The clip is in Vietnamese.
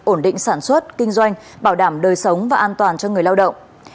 ổn định sản xuất kinh doanh bảo đảm đời sống và an toàn cho người lao động